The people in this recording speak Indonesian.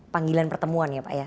panggilan pertemuan ya pak ya